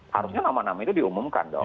harusnya nama nama itu diumumkan dong